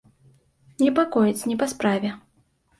Непакояць не па справе.